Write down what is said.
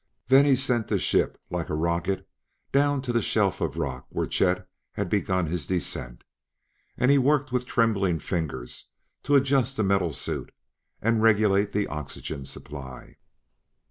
Then he sent the ship like a rocket down to the shelf of rock where Chet had begun his descent; and he worked with trembling fingers to adjust the metal suit and regulate the oxygen supply.